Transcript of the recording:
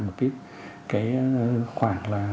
một cái khoảng là